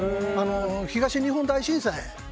東日本大震災。